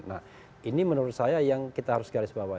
nah ini menurut saya yang kita harus garis bawahi